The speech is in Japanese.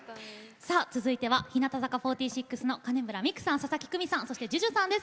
続いては日向坂４６の金村未玖さん佐々木久美さんそしてＪＵＪＵさんです。